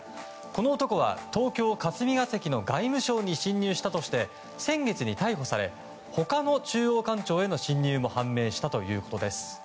この男は東京・霞が関の外務省に侵入したとして先月に逮捕され他の中央官庁への侵入も判明したということです。